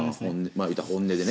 まあ言うたら本音でね。